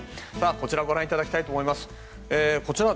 こちらをご覧いただきたいと思います。